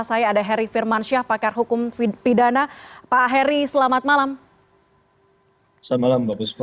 saya ada harry firmansyah pakar hukum pidana pak harry selamat malam selamat malam bagus